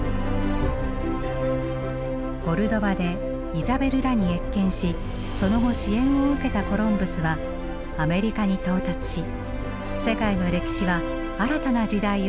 コルドバでイザベルらに謁見しその後支援を受けたコロンブスはアメリカに到達し世界の歴史は新たな時代を迎えていくことになります。